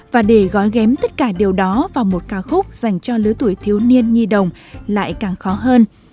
và để gói ghém tất cả điều đó vào một ca khúc dành cho lứa tuổi thiếu niên nhi đồng lại càng khó hơn